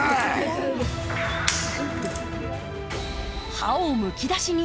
歯をむき出しに。